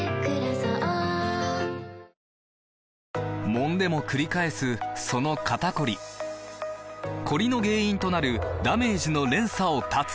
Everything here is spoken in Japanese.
もんでもくり返すその肩こりコリの原因となるダメージの連鎖を断つ！